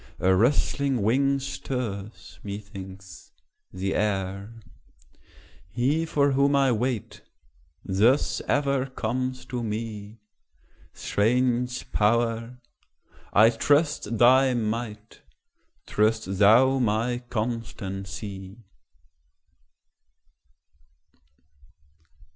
a rustling wing stirs, methinks, the air: He for whom I wait, thus ever comes to me; Strange Power! I trust thy might; trust thou my constancy.